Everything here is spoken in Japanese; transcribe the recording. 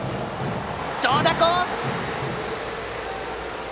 長打コース！